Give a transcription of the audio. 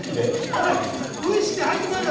無意識で入ってこないから！